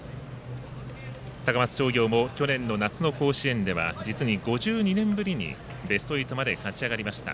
高松商業も去年の夏の甲子園では実に１５年ぶりにベスト８まで勝ち上がりました。